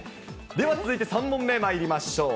では続いて３問目まいりましょう。